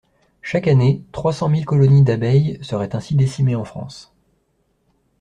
Chaque année, trois cent mille colonies d’abeilles seraient ainsi décimées en France.